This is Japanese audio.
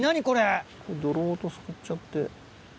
泥ごとすくっちゃって。